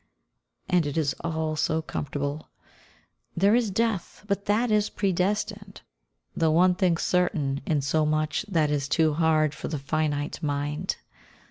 And it is all so comfortable. There is Death, but that is predestined, the one thing certain in so much that is too hard for the finite mind.